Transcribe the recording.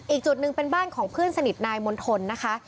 อีกจุดหนึ่งเป็นบ้านของเพื่อนสนิทนายมณฑลนะคะ